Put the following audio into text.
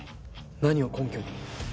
何を根拠に？